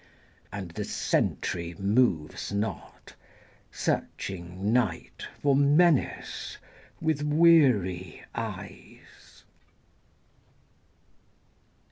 And the sentry moves not, searching Night for menace with weary eyes.